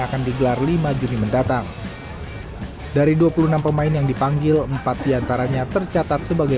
akan digelar lima juni mendatang dari dua puluh enam pemain yang dipanggil empat diantaranya tercatat sebagai